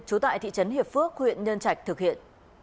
trú tại thị trấn hiệp phước huyện nhân trạch thực hiện